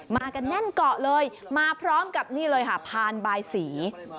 มากันแน่นเกาะเลยมาพร้อมกับนี่เลยค่ะพานบายสี